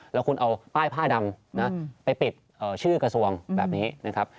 แล้วคุณเอาป้ายผ้าดำไปปิดชื่อกระทรวงแบบนี้นะครับ